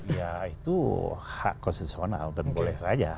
ya itu hak konstitusional dan boleh saja